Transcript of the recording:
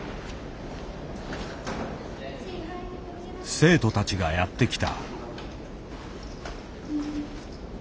生徒たちがやってきた。